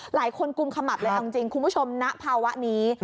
หลายคนกุมขมับเลยคุณผู้ชมณภาวะนี้